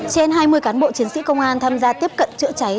trên hai mươi cán bộ chiến sĩ công an tham gia tiếp cận chữa cháy